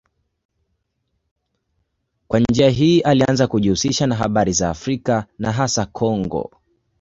Kwa njia hii alianza kujihusisha na habari za Afrika na hasa Kongo.